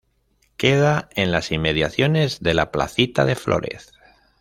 Queda en las inmediaciones de la Placita de Flórez.